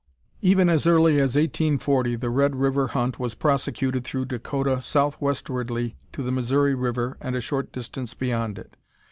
Even as early as 1840 the Red River hunt was prosecuted through Dakota southwestwardly to the Missouri River and a short distance beyond it.